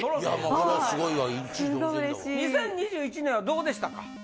２０２１年はどうでしたか？